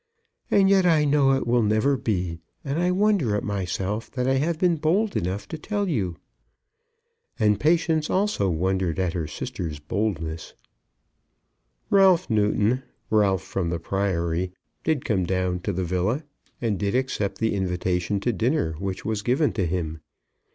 And yet I know it will never be, and I wonder at myself that I have been bold enough to tell you." And Patience, also, wondered at her sister's boldness. Ralph Newton, Ralph from the Priory, did come down to the villa, and did accept the invitation to dinner which was given to him.